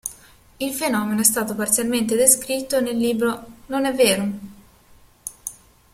Il fenomeno è stato parzialmente descritto nel libro "Non è Vero!